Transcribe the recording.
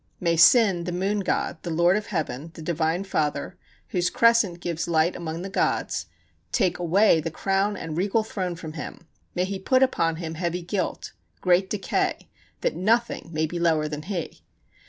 May Sin [the moon god], the Lord of Heaven, the divine father, whose crescent gives light among the gods, take away the crown and regal throne from him; may he put upon him heavy guilt, great decay, that nothing may be lower than he.